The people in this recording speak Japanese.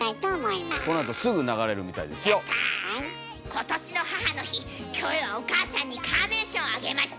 今年の母の日キョエはお母さんにカーネーションあげました。